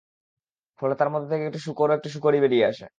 ফলে তার মধ্য থেকে একটি শূকর ও একটি শূকরী বেরিয়ে আসে।